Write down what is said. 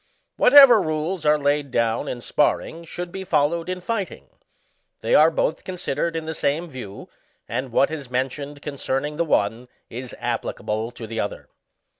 Whatever rules are laid down in sparring should b^ followed in fighting. They are both considered in the same view, and what is mentioned concerning the one is applicable to the other.